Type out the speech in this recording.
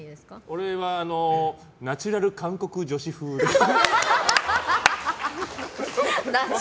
俺はナチュラル韓国女子風です。